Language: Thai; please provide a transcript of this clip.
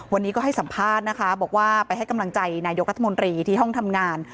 วันนี้ก็ให้สัมภาษณ์นะคะบอกว่าไปให้กำลังใจนายกรัฐมนตรีที่ห้องทำงาน